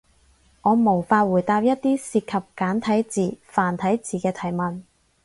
我無法回答一啲涉及簡體字、繁體字嘅提問